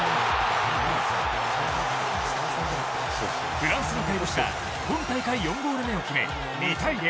フランスの怪物が今大会４ゴール目を決め２対０